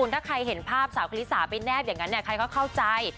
ถ้าใครเห็นภาพสาวครีสาไปเนบยังไงใครชอบเข้าใจ